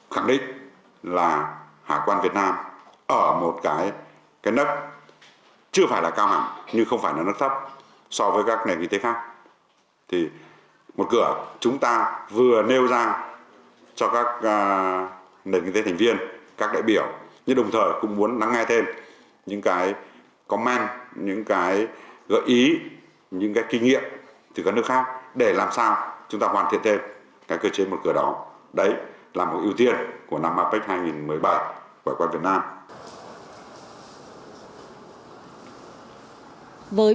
hải quan việt nam mong muốn các nền kinh tế thành viên cùng trao đổi và cơ chế một cửa phòng chống buôn lậu gian lận thương mại